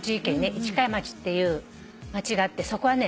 市貝町っていう町があってそこはね